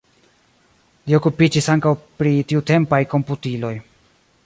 Li okupiĝis ankaŭ pri tiutempaj komputiloj.